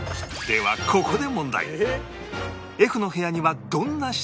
ではここで問題